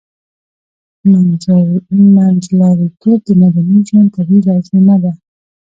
منځلاریتوب د مدني ژوند طبیعي لازمه ده